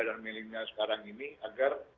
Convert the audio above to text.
dan miliknya sekarang ini agar